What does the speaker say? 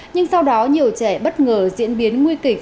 nhưng sau đó nhiều trẻ bất ngờ diễn biến nguy kịch